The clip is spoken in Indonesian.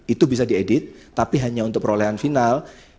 itu bisa diedit tapi hanya untuk perolehan final